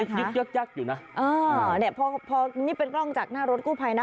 ยึกยักยักอยู่นะอ่าเนี่ยพอพอนี่เป็นกล้องจากหน้ารถกู้ภัยนะ